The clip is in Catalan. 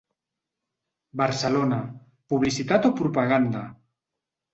Barcelona, publicitat o propaganda?